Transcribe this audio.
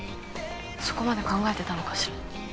そこまで考えてたのかしら？